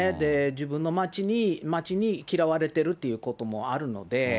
自分の街に嫌われてるっていうこともあるので、